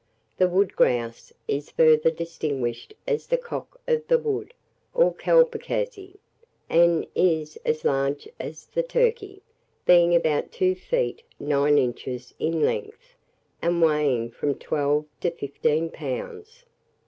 The wood grouse is further distinguished as the cock of the wood, or capercalzie, and is as large as the turkey, being about two feet nine inches in length, and weighing from twelve to fifteen pounds.